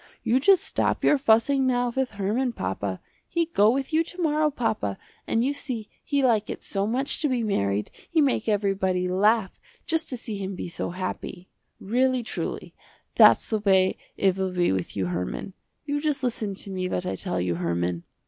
You just stop your fussing now with Herman, papa. He go with you to morrow papa, and you see he like it so much to be married, he make everybody laugh just to see him be so happy. Really truly, that's the way it will be with you Herman. You just listen to me what I tell you Herman."